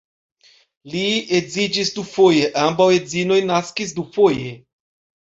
Li edziĝis dufoje, ambaŭ edzinoj naskis dufoje.